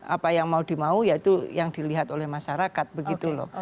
apa yang mau dimau ya itu yang dilihat oleh masyarakat begitu loh